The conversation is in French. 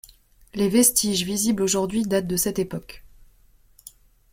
Les vestiges visibles aujourd’hui datent de cette époque.